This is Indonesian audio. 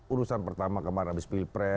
urusan pertama kemarin habis pilpres